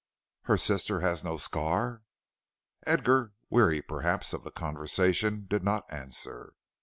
"Her sister has no scar?" Edgar, weary, perhaps, of the conversation, did not answer.